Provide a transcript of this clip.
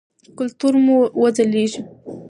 کلتور مو وځلیږي.